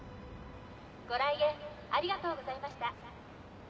ご来園ありがとうございました。